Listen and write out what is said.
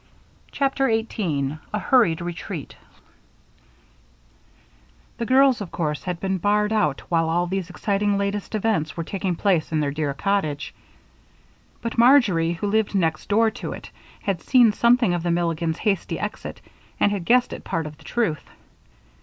CHAPTER 18 A Hurried Retreat The girls, of course, had been barred out while all these exciting latest events were taking place in their dear cottage; but Marjory, who lived next door to it, had seen something of the Milligans' hasty exit and had guessed at part of the truth.